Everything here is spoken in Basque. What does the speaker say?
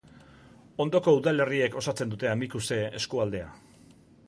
Ondoko udalerriek osatzen dute Amikuze eskualdea.